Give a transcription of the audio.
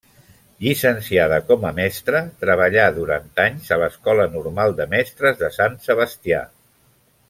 Llicenciada com a mestra, treballà durant anys a l'Escola Normal de Mestres de Sant Sebastià.